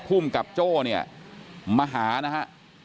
ภูมิกับโจ้เนี่ยมาหานะฮะ